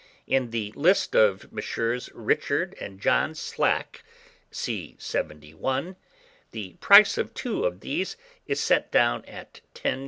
In the list of Messrs. Richard and John Slack (see 71), the price of two of these is set down at 10s.